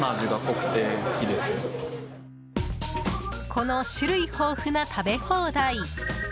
この種類豊富な食べ放題。